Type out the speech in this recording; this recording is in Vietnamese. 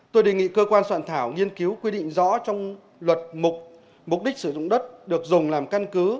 tôi đề nghị cơ quan soạn thảo nghiên cứu quy định rõ trong luật mục đích sử dụng đất được dùng làm căn cứ